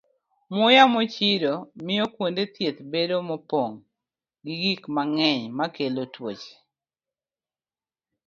Muya mochido miyo kuonde thieth bedo mopong' gi gik mang'eny makelo tuoche.